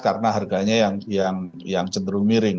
karena harganya yang cenderung miring